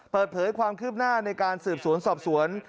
เปิดเผยความคืบหน้าในการสืบสวนสอบสวน